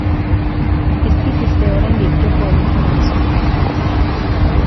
Ez dituzte oraindik jokoen izenak esan.